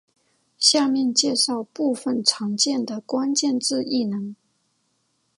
下面介绍部分常见的关键字异能。